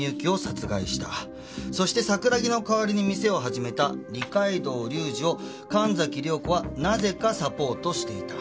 そして桜木の代わりに店を始めた二階堂隆二を神崎涼子はなぜかサポートしていた。